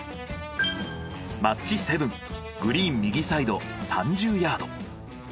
マッチ７グリーン右サイド３０ヤード。